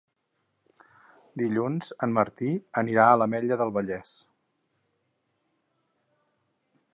Dilluns en Martí anirà a l'Ametlla del Vallès.